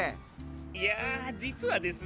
いやあ実はですね